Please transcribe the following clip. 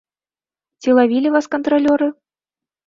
Ці лавілі вас кантралёры?